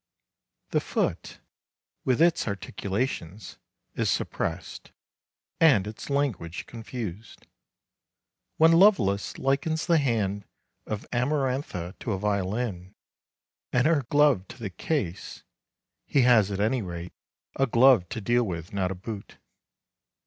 The foot, with its articulations, is suppressed, and its language confused. When Lovelace likens the hand of Amarantha to a violin, and her glove to the case, he has at any rate a glove to deal with, not a boot.